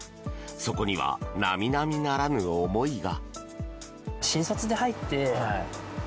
そこには並々ならぬ思いが。